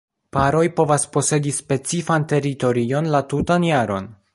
Paroj povas posedi specifan teritorion la tutan jaron.